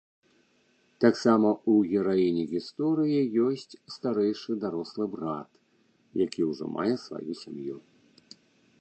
Таксама ў гераіні гісторыі ёсць старэйшы дарослы брат, які ўжо мае сваю сям'ю.